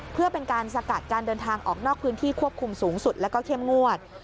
เพื่อเป็นการสกัดการเดินทางออกนอกพื้นที่ควบคุมสูงสุดแล้วก็เข้มงวด